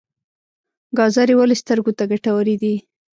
ګازرې ولې سترګو ته ګټورې دي؟